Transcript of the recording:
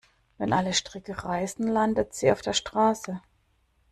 Wenn alle Stricke reißen, landet sie auf der Straße.